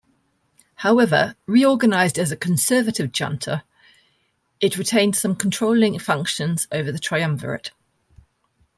However, reorganized as a "Conservative Junta", it retained some controlling functions over the Triumvirate.